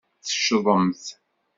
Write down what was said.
Teccḍemt.